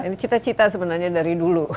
ini cita cita sebenarnya dari dulu